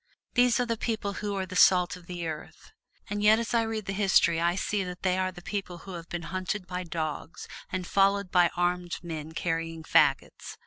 These are the people who are the salt of the earth. And yet as I read history I see that they are the people who have been hunted by dogs, and followed by armed men carrying fagots.